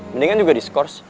mendingan juga diskors